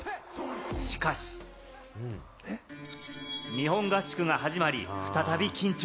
しかし、日本合宿が始まり再び緊張。